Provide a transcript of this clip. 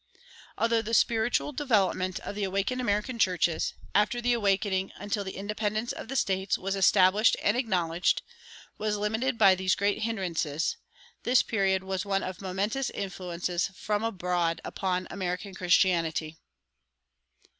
Although the spiritual development of the awakened American churches, after the Awakening until the independence of the States was established and acknowledged, was limited by these great hindrances, this period was one of momentous influences from abroad upon American Christianity.